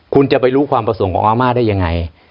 คุณจะไปรู้ความประสงค์ของอาม่าได้ยังไง